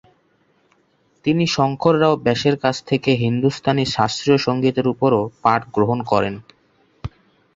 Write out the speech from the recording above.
তিনি শঙ্কর রাও ব্যাসের কাছ থেকে হিন্দুস্তানি শাস্ত্রীয় সংগীতের উপরও পাঠ গ্রহণ করেন।